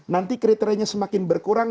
nanti kriterianya semakin berkurang